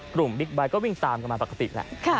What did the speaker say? กลุ่มบิ๊กบ้ายก็วิ่งตามกันมาปกติแหละ